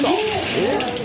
えっ？